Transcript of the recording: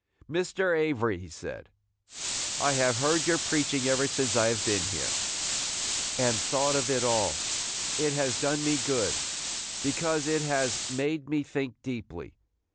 "Mr. Avery," he said, "I have heard your preaching ever since I have been here, and thought of it all. It has done me good, because it has made me think deeply.